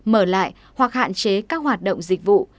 mở lại hoặc hạn chế các hoạt động dịch vụ